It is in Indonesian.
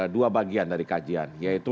dua bagian dari kajian yaitu